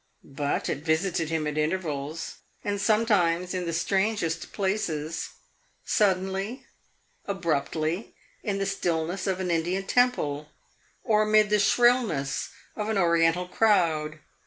But it visited him at intervals, and sometimes in the strangest places suddenly, abruptly, in the stillness of an Indian temple, or amid the shrillness of an Oriental crowd.